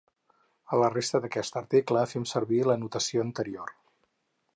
A la resta d'aquest article fem servir la notació anterior.